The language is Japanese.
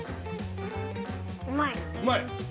◆うまい。